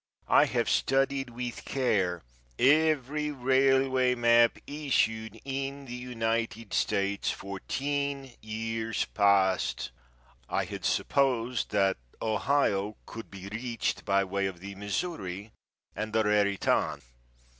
I have studied with care every railway map issued in the United States for ten years past. I had supposed that Ohio could be reached by way of the Missouri and the Raritan.